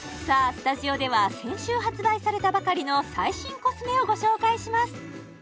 スタジオでは先週発売されたばかりの最新コスメをご紹介します